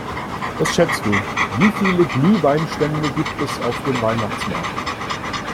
Was schätzt du, wie viele Glühweinstände gibt es auf dem Weihnachtsmarkt?